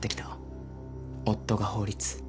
夫が法律。